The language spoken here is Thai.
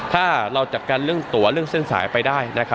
ถ้าเราจัดการเรื่องตัวเรื่องเส้นสายไปได้